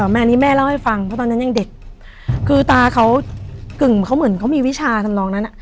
แม่อันนี้แม่เล่าให้ฟังเพราะตอนนั้นยังเด็กคือตาเขากึ่งเขาเหมือนเขามีวิชาทำนองนั้น